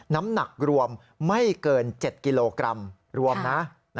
น้ำหนักรวมไม่เกิน๗กิโลกรัมรวมนะ